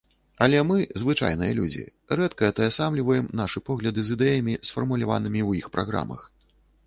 Але мы, звычайныя людзі, рэдка атаясамліваем нашы погляды з ідэямі, сфармуляванымі ў іх праграмах.